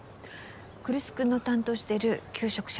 来栖君の担当してる求職者。